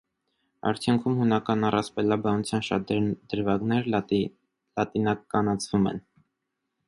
Արդյունքում՝ հունական առասպելաբանության շատ դրվագներ լատինականացվում են։